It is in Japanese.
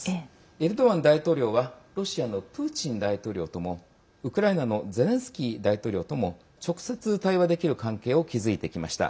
エルドアン大統領はロシアのプーチン大統領ともウクライナのゼレンスキー大統領とも直接対話できる関係を築いてきました。